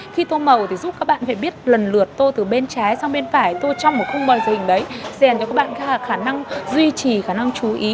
khi tô màu thì giúp các bạn lần lượt tô từ bên trái sang bên phải tô trong một khung bòi dành để dàn cho các bạn khả năng duy trì khả năng chú ý